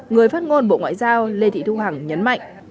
người phát ngôn bộ ngoại giao lê thị thu hằng nhấn mạnh